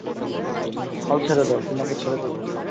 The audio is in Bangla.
হাল ছেড়ে দাও, তোমাকে ছেড়ে দেবো।